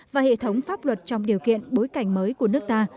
và hệ thống pháp luật trong điều kiện bối cảnh mới của nước ta